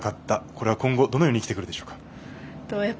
これは今後どのように生きてくるでしょうか。